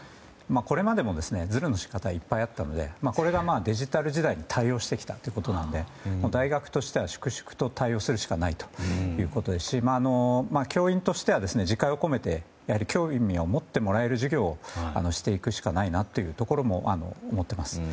これまでもズルの仕方はいっぱいあったのでこれがデジタル時代に対応してきたということなので大学としては対応するしかないということですし教員としては、自戒を込めて興味を持ってもらうような授業をしていくしかないなというところも思っています。